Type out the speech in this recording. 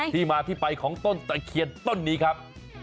ที่มาที่ไปของต้นตะเคียนต้นนี้ครับ